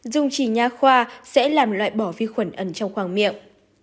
dùng chỉ nhà khoa sẽ làm loại bỏ vi khuẩn ẩn trong khoang miệng